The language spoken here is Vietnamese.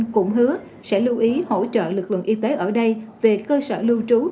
cũng hứa sẽ lưu ý hỗ trợ lực lượng y tế ở đây về cơ sở lưu trú